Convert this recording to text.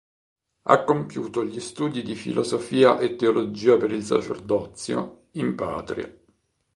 Ha compiuto gli studi di filosofia e teologia per il sacerdozio in patria.